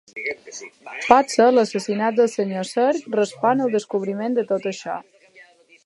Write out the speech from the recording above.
Potser l'assassinat del senyor Cerc respon al descobriment de tot això.